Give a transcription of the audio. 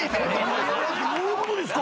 どういうことですか？